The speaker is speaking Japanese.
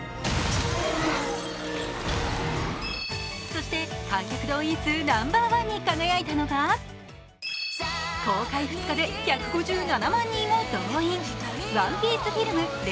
そして観客動員数ナンバーワンに輝いたのが公開２日で、１５７万人を動員。